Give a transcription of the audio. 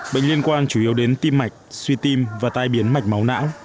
bệnh liên quan chủ yếu đến tim mạch suy tim và tai biến mạch máu não